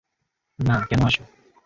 না কেন আসো?